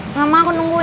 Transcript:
enggak mau aku nungguin